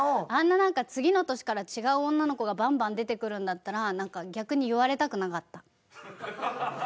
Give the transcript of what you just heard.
あんな何か次の年から違う女の子がバンバン出てくるんだったら何か逆に言われたくなかった。